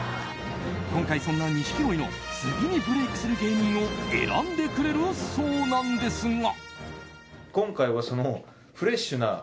今回、そんな錦鯉の次にブレークする芸人を選んでくれるそうなんですが。